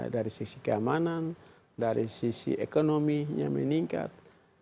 dari sisi keamanan dari sisi ekonominya meningkat